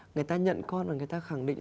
người ta nhận con và người ta khẳng định